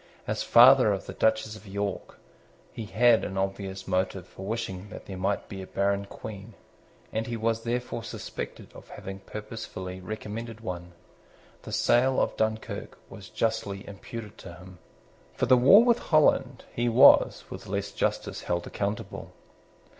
As father of the Duchess of York, he had an obvious motive for wishing that there might be a barren Queen; and he was therefore suspected of having purposely recommended one. The sale of Dunkirk was justly imputed to him. For the war with Holland, he was, with less justice, held accountable.